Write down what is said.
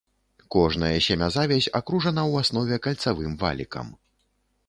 Кожная семязавязь акружана ў аснове кальцавым валікам.